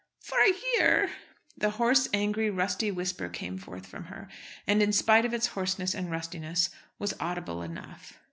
"For a year!" The hoarse, angry, rusty whisper came forth from her, and in spite of its hoarseness and rustiness was audible enough.